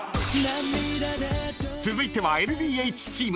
［続いてはＬＤＨチーム］